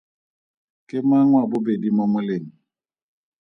Ke mang wa bobedi mo moleng?